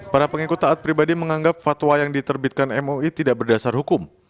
para pengikut taat pribadi menganggap fatwa yang diterbitkan mui tidak berdasar hukum